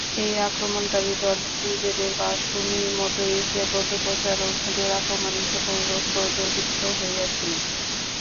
এই আক্রমণকারীর দল নিজেদের বাসভূমি মধ্য-এশিয়ায় বৌদ্ধ প্রচারকদের আক্রমণে ইতঃপূর্বে ক্রোধদীপ্ত হইয়াছিল।